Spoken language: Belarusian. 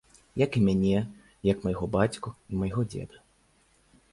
Як і мяне, як майго бацьку і майго дзеда.